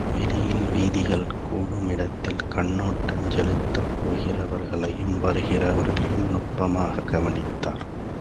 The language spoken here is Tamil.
வெளியில் வீதிகள் கூடுமிடத்தில் கண்னோட்டஞ் செலுத்திபோகிறவர்களையும் வருகிறவர்களையும் நுட்பமாய்க் கவனித்தனர்.